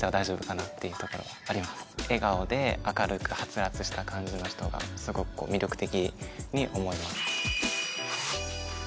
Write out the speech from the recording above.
笑顔で明るくはつらつした感じの人がすごくこう魅力的に思います。